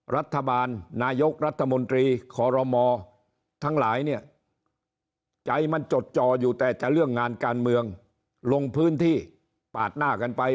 รัฐบาลนายกรัฐมนตรีขอรมม์ทั้งหลายมันจดจออยู่แต่เรื่องงานการเมืองลงพื้นที่ปาดหน้ากันไป